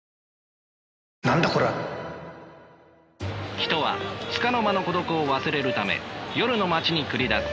人はつかの間の孤独を忘れるため夜の街に繰り出す。